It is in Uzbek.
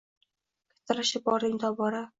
Kattalashib bording tobora.